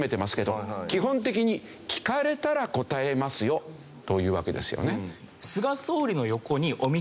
基本的に聞かれたら答えますよというわけですよね。